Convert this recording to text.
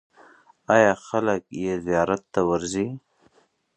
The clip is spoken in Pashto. آیا خلک یې زیارت ته ورځي؟